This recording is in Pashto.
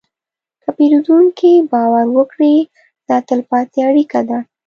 که پیرودونکی باور وکړي، دا تلپاتې اړیکه ده.